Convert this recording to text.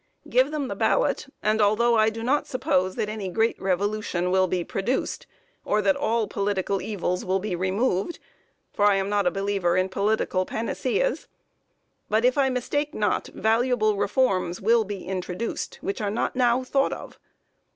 Give them the ballot, and, although I do not suppose that any great revolution will be produced, or that all political evils will be removed, (I am not a believer in political panaceas,) but if I mistake not, valuable reforms will be introduced which are not now thought of.